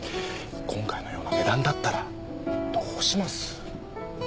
今回のような値段だったらどうします？